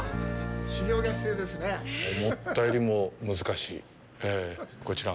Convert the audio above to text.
思ったよりも難しい。